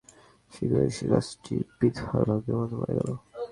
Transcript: শীঘ্রই সেই গাছটি বিধবার ভাগ্যের মতো মরে গেল।